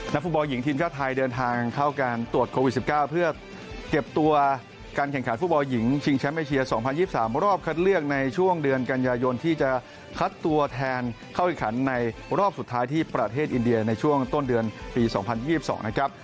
ฟุตบอลหญิงทีมชาติไทยเดินทางเข้าการตรวจโควิด๑๙เพื่อเก็บตัวการแข่งขันฟุตบอลหญิงชิงแชมป์เอเชีย๒๐๒๓รอบคัดเลือกในช่วงเดือนกันยายนที่จะคัดตัวแทนเข้าแข่งขันในรอบสุดท้ายที่ประเทศอินเดียในช่วงต้นเดือนปี๒๐๒๒นะครับ